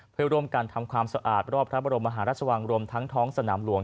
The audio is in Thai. เพื่อร่วมกันทำความสะอาดรอบพระบรมมหาราชวังรวมทั้งท้องสนามหลวง